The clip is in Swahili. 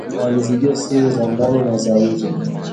Alizijua siri za ndani na za nje